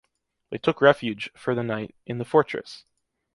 They took refuge, for the night, in the fortress.